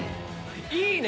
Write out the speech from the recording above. いいね！